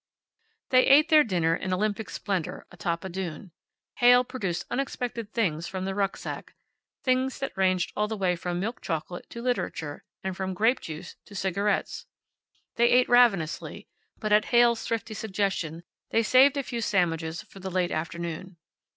They ate their dinner in olympic splendor, atop a dune. Heyl produced unexpected things from the rucksack things that ranged all the way from milk chocolate to literature, and from grape juice to cigarettes. They ate ravenously, but at Heyl's thrifty suggestion they saved a few sandwiches for the late afternoon.